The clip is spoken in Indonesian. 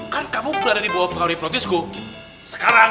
kan kamu berada di bawah pahuri hipnotisku sekarang